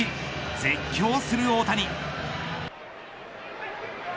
絶叫する大谷。